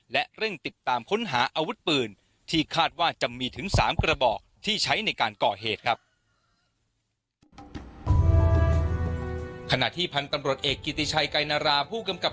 และเร่งติดตามค้นหาอาวุธปืนที่คาดว่าจะมีถึง๓กระบอกที่ใช้ในการก่อเหตุครับ